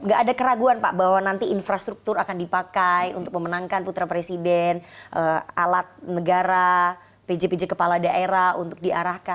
gak ada keraguan pak bahwa nanti infrastruktur akan dipakai untuk memenangkan putra presiden alat negara pj pj kepala daerah untuk diarahkan